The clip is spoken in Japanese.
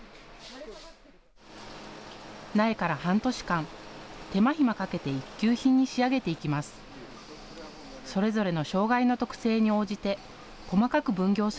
苗から半年間、手間暇かけて一級品に仕上げていきます。